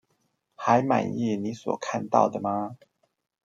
還滿意你所看到的嗎？